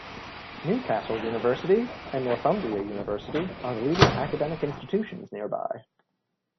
Newcastle University and Northumbria University are the leading academic institutions nearby.